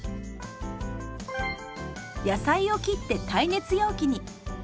野菜を切って耐熱容器に。